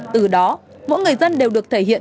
từ đó mỗi người dân đều được thể hiện